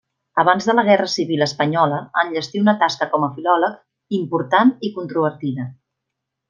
Abans de la guerra civil espanyola enllestí una tasca com a filòleg important i controvertida.